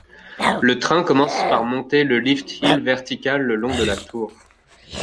Le train commence par monter le lift hill vertical le long de la tour.